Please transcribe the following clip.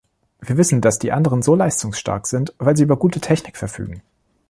Wir wissen, dass die anderen so leistungsstark sind, weil sie über gute Technik verfügen.